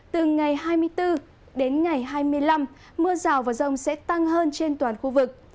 từ ngày hai mươi bốn đến ngày hai mươi năm mưa rào và rông sẽ tăng hơn trên toàn khu vực